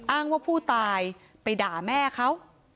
อ้างว่าผู้ตายไปด่าแม่เขา